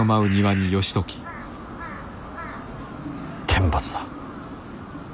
天罰だ。